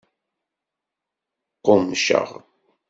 Qqummceɣ.